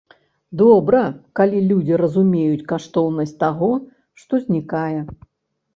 Добра, калі людзі разумеюць каштоўнасць таго, што знікае.